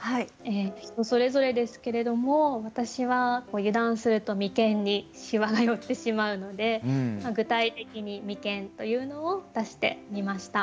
人それぞれですけれども私は油断すると眉間にしわがよってしまうので具体的に「眉間」というのを出してみました。